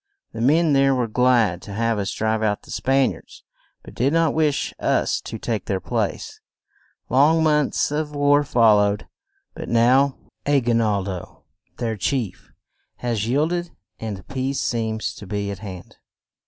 The men there were glad to have us drive out the Span iards, but did not wish us to take their place. Long months of war fol lowed, but now, A gui nal do, their chief, has yield ed and peace seems to be at hand.